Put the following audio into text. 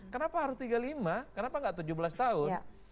kenapa harus tiga puluh lima kenapa nggak tujuh belas tahun